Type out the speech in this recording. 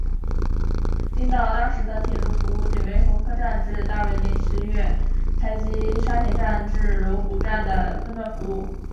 令到当时的铁路服务仅为红磡站至大围临时月台及沙田站至罗湖站的分段服务。